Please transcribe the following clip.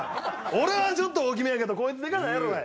俺はちょっと大きめやけどこいつでかないやろがい。